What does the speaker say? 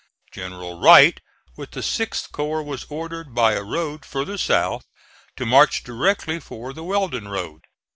General Wright, with the 6th corps, was ordered by a road farther south, to march directly for the Weldon road.